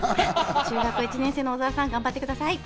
中学校１年生の小澤さん、頑張ってください。